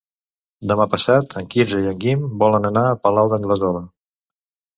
Demà passat en Quirze i en Guim volen anar al Palau d'Anglesola.